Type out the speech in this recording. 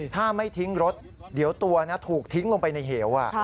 ถ้าไม่ทิ้งรถเดี๋ยวตัวถูกทิ้งลงไปในเหว